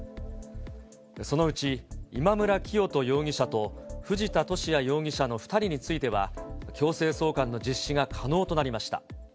そのうち今村磨人容疑者と藤田聖也容疑者の２人については、強制送還の実施が可能となりました。